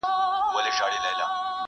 چي هر څوک سي بې عزته نوم یې ورک سي،